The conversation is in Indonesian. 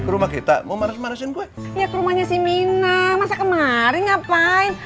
rumah kita mau manis manisin gue ya ke rumahnya si mina masa kemarin ngapain